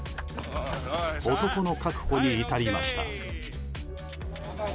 男の確保に至りました。